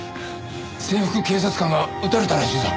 制服警察官が撃たれたらしいぞ。